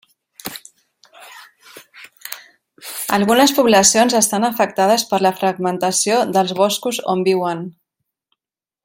Algunes poblacions estan afectades per la fragmentació dels boscos on viuen.